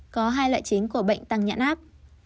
có hai loại chính của bệnh tăng nhãn áp